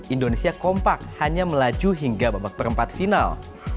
indonesia kompak hanya melaju hingga babak perempat final